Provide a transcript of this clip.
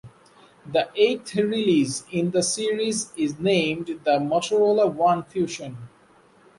The eighth release in the series is named the Motorola One Fusion.